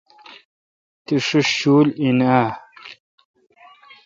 تی ݭیݭ شول این آں؟